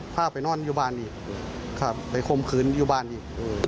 พาไปนอนอยู่บ้านอีกครับไปคมคืนอยู่บ้านอีก